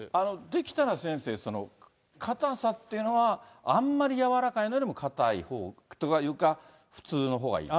できたら先生、硬さっていうのは、あんまり柔らかいのより硬いほうというか、普通のほうがいい？